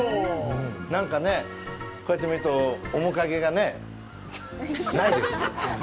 なんかね、こうやってみると、面影がねないですよ。